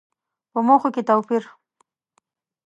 په موخو کې توپير.